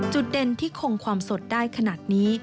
จุดเด่นที่คงความสดได้ขนาดนี้